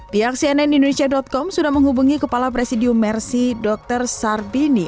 pihak cnn indonesia com sudah menghubungi kepala presidium mercy dr sarbini